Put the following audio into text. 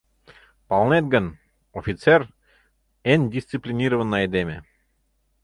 — Палынет гын, офицер — эн дисциплинированный айдеме.